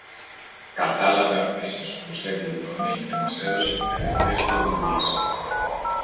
Κατάλαβε αμέσως πως δε γλιτώνει, και μας έδωσε τις τελευταίες του οδηγίες.